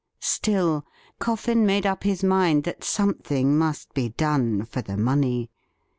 Still, Coffin made up his mind that something must be done for the money.